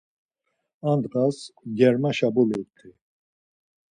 Ar ndğas germaşa bulut̆i.